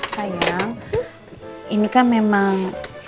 sayang ini kan memang